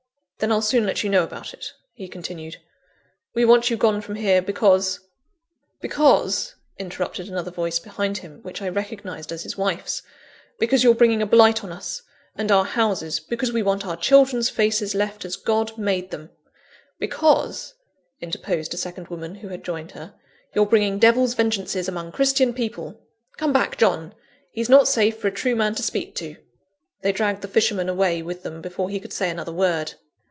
"Then I'll soon let you know it," he continued. "We want you gone from here, because " "Because," interrupted another voice behind him, which I recognised as his wife's, "because you're bringing a blight on us, and our houses because we want our children's faces left as God made them " "Because," interposed a second woman, who had joined her, "you're bringing devil's vengeances among Christian people! Come back, John! he's not safe for a true man to speak to." They dragged the fisherman away with them before he could say another word.